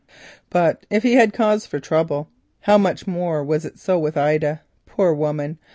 But if he had cause for trouble, how much more was it so with Ida? Poor woman!